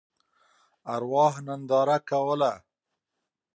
ارواح ننداره کوله.